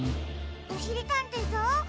おしりたんていさん？